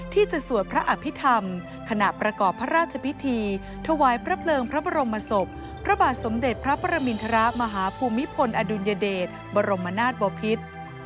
สวดพระอภิษฐรรมขณะประกอบพระราชพิธีถวายพระเพลิงพระบรมศพพระบาทสมเด็จพระประมินทรมาฮภูมิพลอดุลยเดชบรมนาศบพิษ